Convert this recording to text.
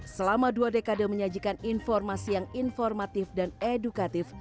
selama dua dekade menyajikan informasi yang informatif dan edukatif